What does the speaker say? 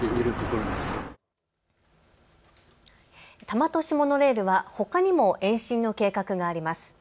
多摩都市モノレールはほかにも延伸の計画があります。